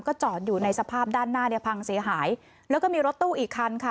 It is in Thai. จอดอยู่ในสภาพด้านหน้าเนี่ยพังเสียหายแล้วก็มีรถตู้อีกคันค่ะ